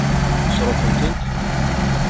Sṛuḥent-ten?